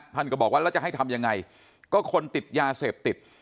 ท่านก็บอกว่าแล้วจะให้ทำยังไงก็คนติดยาเสพติด